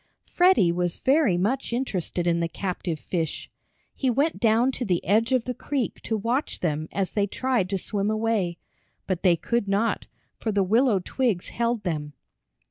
Freddie was very much interested in the captive fish. He went down to the edge of the creek to watch them as they tried to swim away. But they could not, for the willow twigs held them.